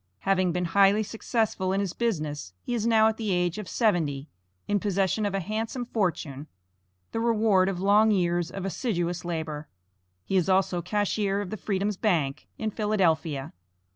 Having been highly successful in his business, he is now at the age of seventy, in possession of a handsome fortune; the reward of long years of assiduous labor. He is also cashier of the Freedman's Bank, in Philadelphia.